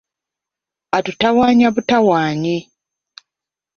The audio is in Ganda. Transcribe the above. Atutawannya butawanyi.